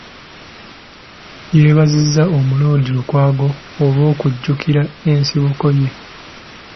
Yeebazizza Omuloodi Lukwago olw'okujjukira ensibuko ye